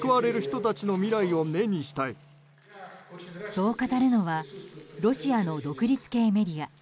そう語るのはロシアの独立系メディア